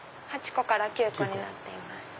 ８個から９個になっています。